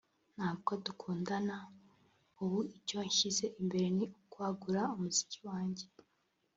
ntabwo dukundana […] ubu icyo nshyize imbere ni ukwagura umuziki wanjye”